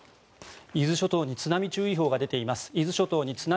伊豆諸島に津波注意報が出ています。